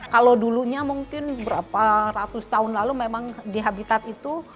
kalau dulunya mungkin berapa ratus tahun lalu memang di habitat itu